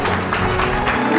ibu saya tunggunyai